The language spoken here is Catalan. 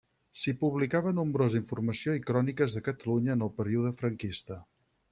S'hi publicava nombrosa informació i cròniques de Catalunya en el període franquista.